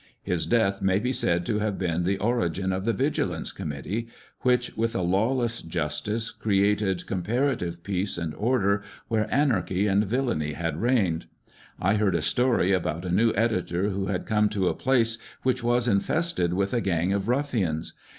His death may be said to have been the origin of the Vigilance Committee, which, with a law less justice, created comparative peace and order where anarchy and villany had reigned. I heard a story about a new editor who had come to a place which was infested with a gang of ruffians.